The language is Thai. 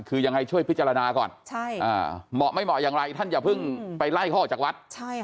คือยังไงช่วยพิจารณาก่อนเหมาะไม่เหมาะอย่างไรท่านอย่าเพิ่งไปไล่เขาออกจากวัด